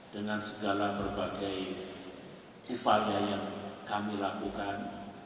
dengan segala berbagai upaya yang kami lakukan